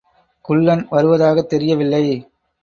குள்ளன் வருவதாகத் தெரியவில்லை.